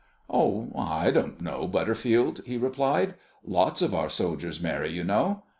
"Oh, I don't know, Butterfield," he replied. "Lots of our soldiers marry, you know."